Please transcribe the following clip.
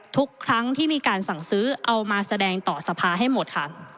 ทุกครั้งที่มีการสั่งซื้อเอามาแสดงต่อสภาให้หมดค่ะ